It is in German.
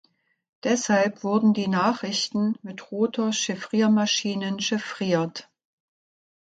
Deshalb wurden die Nachrichten mit Rotor-Chiffriermaschinen chiffriert.